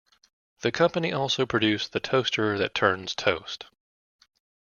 The company also produced the toaster that turns toast.